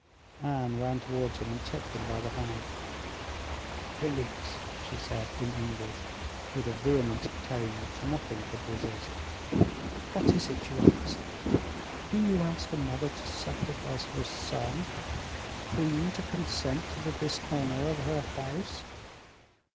Anne ran towards him and took him by the hand. "Villiers," she said, in English, with a vehemence of tone which nothing could resist, "what is it you ask? Do you ask a mother to sacrifice her son, a queen to consent to the dishonor of her house?